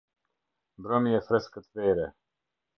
Mbrëmje e freskët vere.